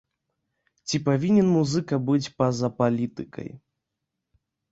Ці павінен музыка быць па-за палітыкай?